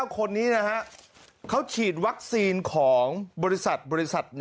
๒๙คนนี้นะฮะเขาฉีดวัคซีนของบริษัท๑